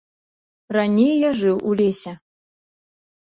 Раней я жыў у лесе.